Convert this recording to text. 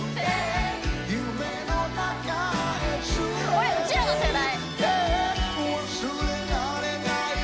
これうちらの世代。